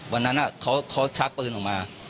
วันนั้นเขาชักปืนออกมา